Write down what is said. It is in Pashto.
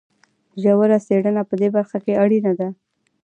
ژوره څېړنه په دې برخه کې اړینه ده.